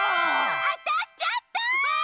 あたっちゃった！